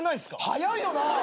早いよな。